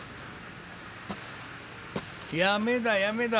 やめだやめだ。